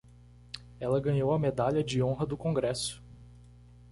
Ela ganhou a Medalha de Honra do Congresso!